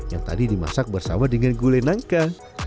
yang tadi dimasak bersama dengan gulai nangka